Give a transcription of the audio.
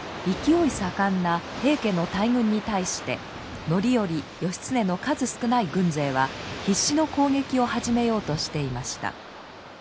勢い盛んな平家の大軍に対して範頼義経の数少ない軍勢は必死の攻撃を始めようとしていました。